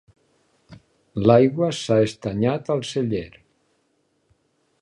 L'aigua s'ha estanyat al celler.